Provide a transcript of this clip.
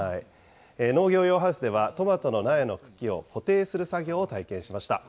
農業用ハウスでは、トマトの苗の茎を固定する作業を体験しました。